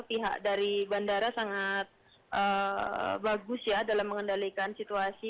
pihak dari bandara sangat bagus ya dalam mengendalikan situasi